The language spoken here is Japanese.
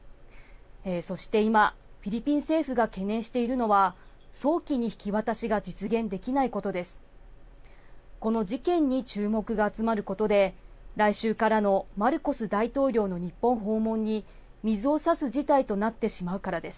そして今、フィリピン政府が懸念しているのは、早期に引き渡しが実現できないことです。